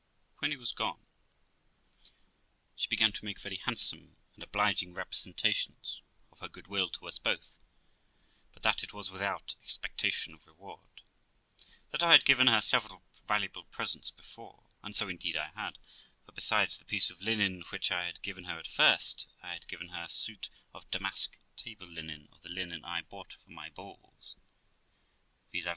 When he was gone she began to make very handsome and obliging representations of her goodwill to us both, but that it was without expect ation of reward ; that I had given her several valuable presents before and so, indeed, I had ; for, besides the piece of linen which I had given her at first, I had given her a suit of damask table linen of the linen I bought for my balls, viz.